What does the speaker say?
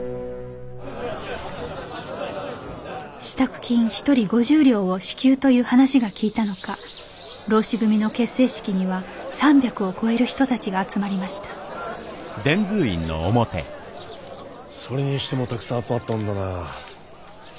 「支度金１人５０両を支給」という話が効いたのか浪士組の結成式には３００を超える人たちが集まりましたそれにしてもたくさん集まったもんだな。